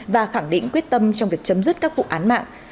và khẳng định quyết tâm trong việc chấm dứt các vụ án mạng